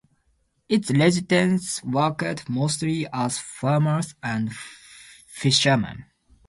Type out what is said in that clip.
Its residents worked mostly as farmers and fishermen.